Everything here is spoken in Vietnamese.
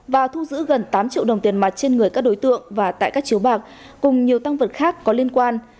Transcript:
và thu giữ gần tám triệu đồng tiền mặt trên người các đối tượng và tại các chiếu bạc cùng nhiều tăng vật khác có liên quan